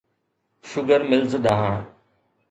sugar mills ڏانهن